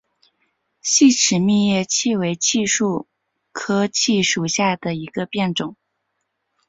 细齿密叶槭为槭树科槭属下的一个变种。